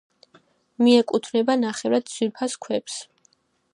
მიეკუთვნება ნახევრად ძვირფას ქვებს.